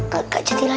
gak jadi lagi